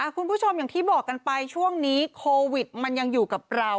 คุณผู้ชมอย่างที่บอกกันไปช่วงนี้โควิดมันยังอยู่กับเรา